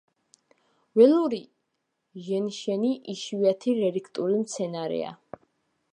ველური ჟენშენი იშვიათი რელიქტური მცენარეა.